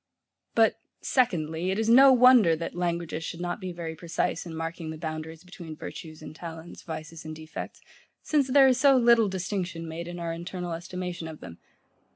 But, Secondly, it is no wonder that languages should not be very precise in marking the boundaries between virtues and talents, vices and defects; since there is so little distinction made in our internal estimation of them.